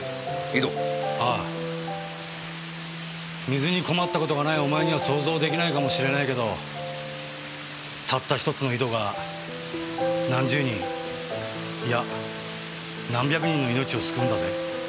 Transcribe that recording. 水に困った事がないお前には想像出来ないかもしれないけどたった１つの井戸が何十人いや何百人の命を救うんだぜ。